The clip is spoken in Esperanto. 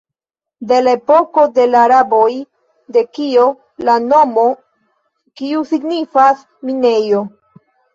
De la epoko de la araboj, de kio la nomo kiu signifas "minejo".